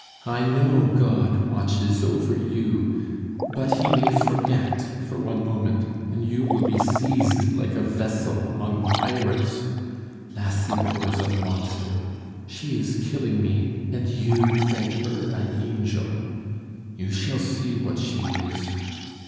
I know God watches over you, but He may forget for one moment, and you will be seized like a vessel among pirates.... La Cibot is a monster! She is killing me; and you think her an angel! You shall see what she is.